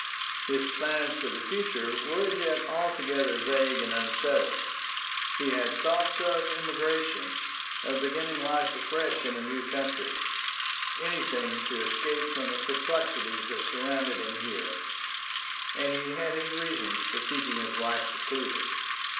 His plans for the future were as yet altogether vague and unsettled. He had thoughts of emigration, of beginning life afresh in a new country anything to escape from the perplexities that surrounded him here; and he had his reasons for keeping his wife secluded.